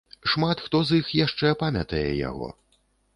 Шмат хто з іх яшчэ памятае яго.